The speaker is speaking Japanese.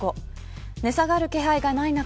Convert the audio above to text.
値下がり気配がない中